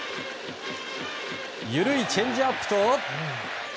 緩いチェンジアップと。